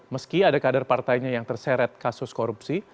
meski ada kader partainya yang terseret kasus korupsi